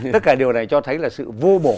thì tất cả điều này cho thấy là sự vô bổ